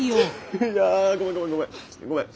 いやごめんごめんごめん。